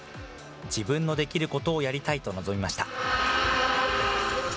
自分のできることをやりたいと臨みました。